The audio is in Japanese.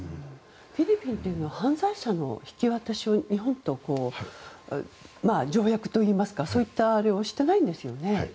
フィリピンっていうのは犯罪者の引き渡しを日本とは条約といいますかそういったことはしていないんですよね。